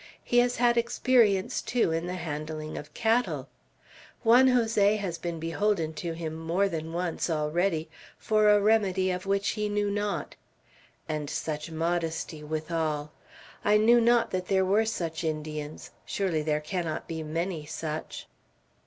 He has had experience, too, in the handling of cattle. Juan Jose has been beholden to him more than once, already, for a remedy of which he knew not. And such modesty, withal. I knew not that there were such Indians; surely there cannot be many such."